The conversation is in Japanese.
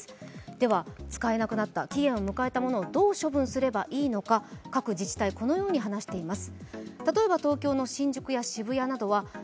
では使えなくなった、期限を迎えたものをどう処分すればいいのか各自治体、このように話しています